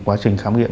quá trình khám điện